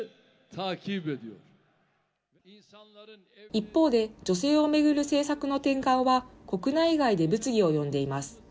一方で、女性を巡る政策の転換は、国内外で物議を呼んでいます。